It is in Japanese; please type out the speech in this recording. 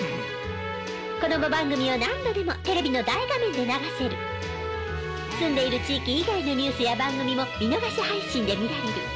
子供番組を何度でもテレビの大画面で流せる！住んでいる地域以外のニュースや番組も見逃し配信で見られる。